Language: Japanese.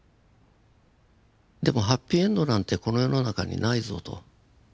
でもハッピーエンドなんてこの世の中にないぞと。